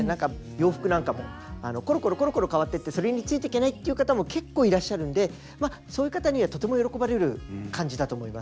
洋服なんかもころころころころ変わってってそれについていけないっていう方も結構いらっしゃるんでまあそういう方にはとても喜ばれる感じだと思います。